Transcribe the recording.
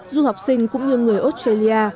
du học sinh cũng như người australia